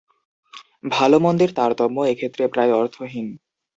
ভালমন্দের তারতম্য এক্ষেত্রে প্রায় অর্থহীন।